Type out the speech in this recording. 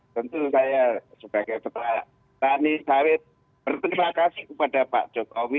tentu saya sebagai kepala tani sawit berterima kasih kepada pak jokowi